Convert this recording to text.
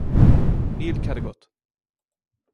Níl cead agat.